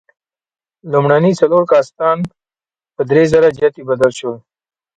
لومړني څلور کاستان په درېزره جتي بدل شول.